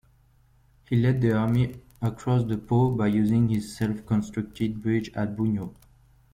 He led the army across the Po by using his self-constructed bridge at Bugno.